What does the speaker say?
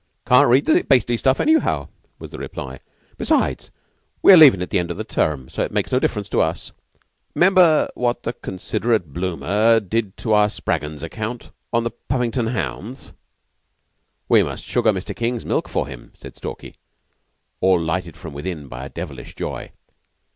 "Can't read the beastly stuff, anyhow," was the reply. "Besides, we're leavin' at the end o' the term, so it makes no difference to us." "'Member what the Considerate Bloomer did to Spraggon's account of the Puffin'ton Hounds? We must sugar Mr. King's milk for him," said Stalky, all lighted from within by a devilish joy.